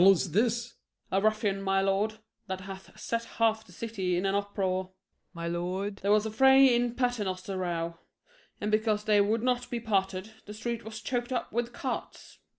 What fellow's this? SHRIEVE. A ruffian, my lord, that hath set half the city in an uproar. FAULKNER. My lord SHRIEVE. There was a fray in Paternoster row, and because they would not be parted, the street was choked up with carts.